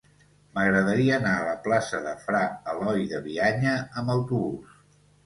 M'agradaria anar a la plaça de Fra Eloi de Bianya amb autobús.